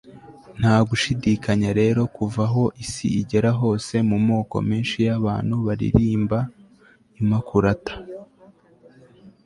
nta gushidikanya rero kuva aho isi igera hose mu moko menshi y'abantu baririmba imakulata(immaculée)